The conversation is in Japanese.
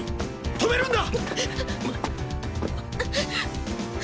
止めるんだ！